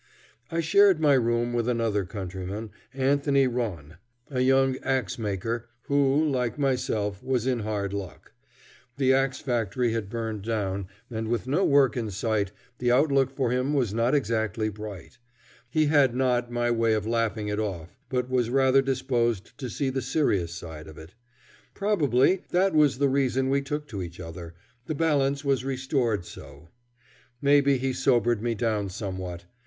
I shared my room with another countryman, Anthony Ronne, a young axe maker, who, like myself, was in hard luck. The axe factory had burned down, and, with no work in sight, the outlook for him was not exactly bright. He had not my way of laughing it off, but was rather disposed to see the serious side of it. Probably that was the reason we took to each other; the balance was restored so. Maybe he sobered me down somewhat.